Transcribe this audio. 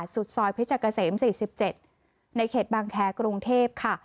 สุดซอยพิชกเสม๔๗ในเขตบางแคกรุงเทพฯ